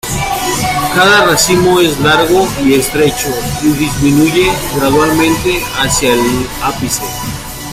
Cada racimo es largo y estrecho, y disminuye gradualmente hacia el ápice.